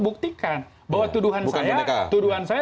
buktikan bahwa tuduhan saya